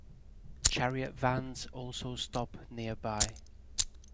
Chariot vans also stop nearby.